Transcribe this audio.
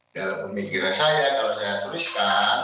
dalam pemikiran saya kalau saya tuliskan